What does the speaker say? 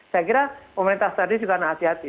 saya kira pemerintah tadi juga harus hati hati